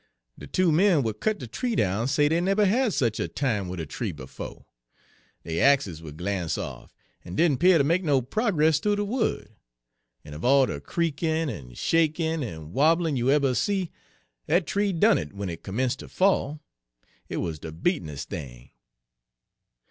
"De two men w'at cut de tree down say dey nebber had sech a time wid a tree befo': dey axes would glansh off, en didn' 'pear ter make no progress thoo de wood; en of all de creakin', en shakin', en wobblin' you eber see, dat Page 53 tree done it w'en it commence' ter fall. It wuz de beatenis' thing!